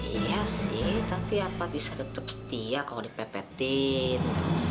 iya sih tapi apa bisa tetap setia kalau dipepetin